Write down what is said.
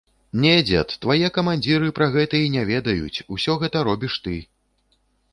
Не, дзед, твае камандзіры пра гэта і не ведаюць, усё гэта робіш ты.